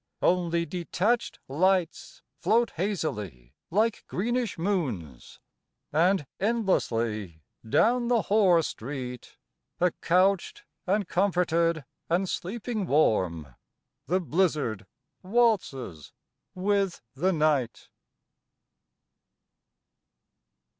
Only detached lights Float hazily like greenish moons, And endlessly Down the whore street, Accouched and comforted and sleeping warm, The blizzard waltzes with the night.